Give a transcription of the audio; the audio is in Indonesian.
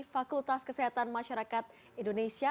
fakultas kesehatan masyarakat indonesia